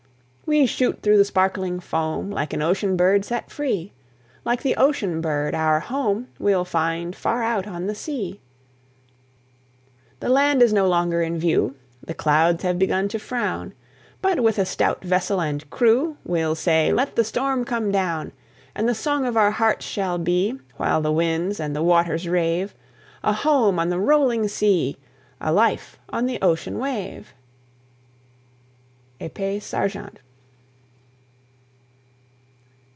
We shoot through the sparkling foam Like an ocean bird set free; Like the ocean bird, our home We'll find far out on the sea. The land is no longer in view, The clouds have begun to frown; But with a stout vessel and crew, We'll say, Let the storm come down! And the song of our hearts shall be, While the winds and the waters rave, A home on the rolling sea! A life on the ocean wave! EPES SARGENT.